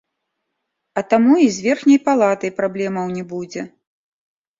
А таму і з верхняй палатай праблемаў не будзе.